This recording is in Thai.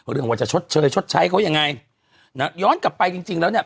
เรื่องว่าจะชดเชยชดใช้เขายังไงนะย้อนกลับไปจริงจริงแล้วเนี่ย